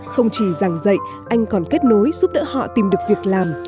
không chỉ giảng dạy anh còn kết nối giúp đỡ họ tìm được việc làm